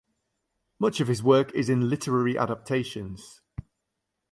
Much of his work is in literary adaptations.